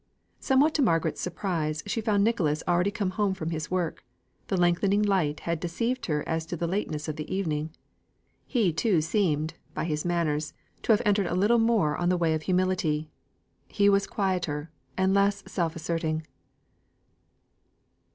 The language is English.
Somewhat to Margaret's surprise, she found Nicholas already come home from his work; the lengthening light had deceived her as to the lateness of the evening. He too seemed, by his manners, to have entered a little more on the way of humility; he was quieter, and less self asserting.